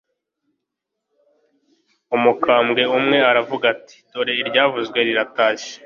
umukambwe umwe aravuga ati « dore iryavuzwe riratashye